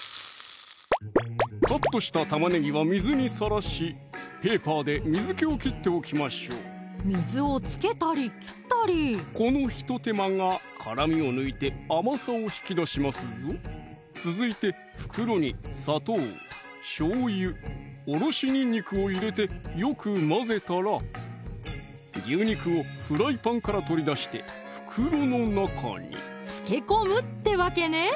カットした玉ねぎは水にさらしペーパーで水気を切っておきましょう水をつけたり切ったりこの一手間が辛みを抜いて甘さを引き出しますぞ続いて袋に砂糖・しょうゆ・おろしにんにくを入れてよく混ぜたら牛肉をフライパンから取り出して袋の中につけ込むってわけね